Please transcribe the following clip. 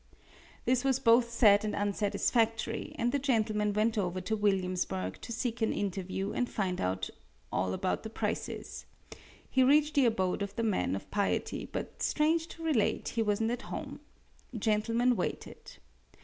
This was both sad and unsatisfactory; and the gentleman went over to Williamsburg to seek an interview and find out all about the prices. He reached the abode of the man of piety, but, strange to relate, he wasn't at home. Gentleman waited.